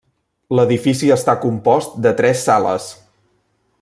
L'edifici està compost de tres sales.